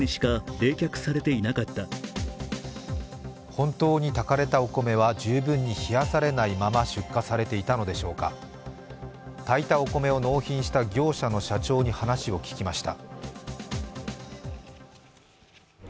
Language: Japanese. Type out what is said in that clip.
本当に、炊かれたお米は十分に冷やされないまま出荷されていたのでしょうか炊いたお米を納品した業者の社長に話を聞きました。